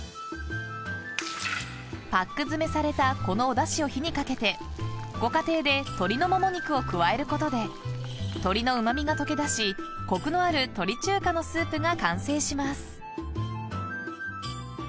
［パック詰めされたこのおダシを火にかけてご家庭で鶏のもも肉を加えることで鶏のうま味が溶け出しコクのある鳥中華のスープが完成します］